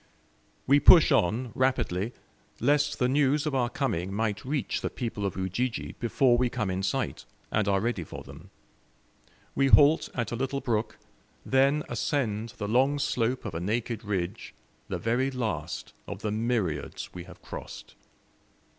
We push on rapidly, lest the news of our coming might reach the people of Ujiji before we come in sight, and are ready for them. We halt at a little brook, then ascend the long slope of a naked ridge, the very last of the myriads we have crossed.